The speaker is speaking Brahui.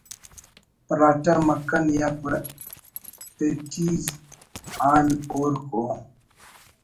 پراٹہ مکھن یا پیٹیز آن ہورک ءُ